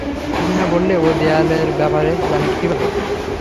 তুমি না বললে, ও দেয়ালের ব্যাপারে, জানে কিভাবে?